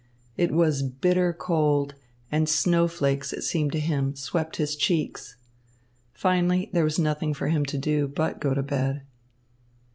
It was bitter cold, and snowflakes, it seemed to him, swept his cheeks. Finally, there was nothing for him to do but go to bed.